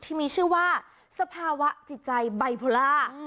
ที่มีชื่อว่าสภาวะจิตใจไบโพล่า